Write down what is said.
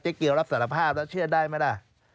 เกียวรับสารภาพแล้วเชื่อได้ไหมล่ะ